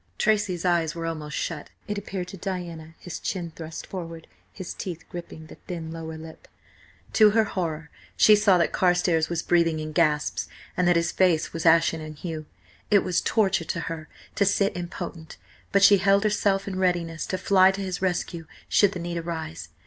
Tracy's eyes were almost shut, it appeared to Diana, his chin thrust forward, his teeth gripping the thin lower lip. To her horror she saw that Carstares was breathing in gasps, and that his face was ashen in hue. It was torture to her to sit impotent, but she held herself in readiness to fly to his rescue should the need arise.